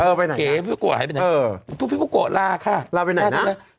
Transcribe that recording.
เออไปไหนเอ๊ะพูโกหายไปไหนเออพูโกลาค่ะลาไปไหนน่ะ